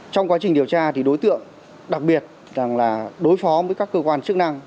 trong quá trình điều tra thì đối tượng đặc biệt rằng là đối phó với các cơ quan chức năng